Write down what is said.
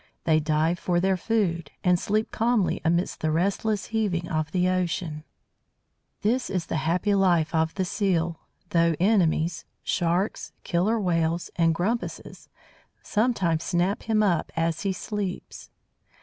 They dive for their food, and sleep calmly amidst the restless heaving of the ocean. This is the happy life of the Seal, though enemies Sharks, Killer Whales or Grampuses sometimes snap him up as he sleeps.